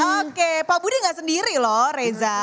oke pak budi nggak sendiri loh reza